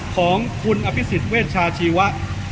ของคุณอภิสิทธิเวชาชีวะ